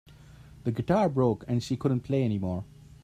The guitar broke and she couldn't play anymore.